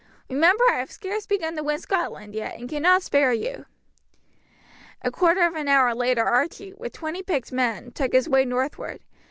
Remember I have scarce begun to win Scotland yet, and cannot spare you." A quarter of an hour later Archie, with twenty picked men, took his way northward.